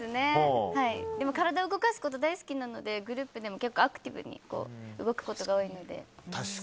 でも体を動かすことが大好きなのでグループでも結構アクティブに動くことが多いので。